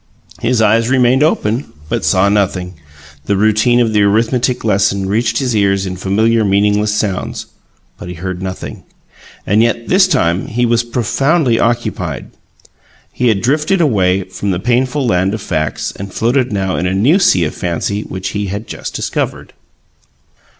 His eyes remained open, but saw nothing; the routine of the arithmetic lesson reached his ears in familiar, meaningless sounds, but he heard nothing; and yet, this time, he was profoundly occupied. He had drifted away from the painful land of facts, and floated now in a new sea of fancy which he had just discovered.